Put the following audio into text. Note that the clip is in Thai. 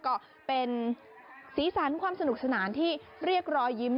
ก็เป็นสีสันความสนุกสนานที่เรียกรอยยิ้ม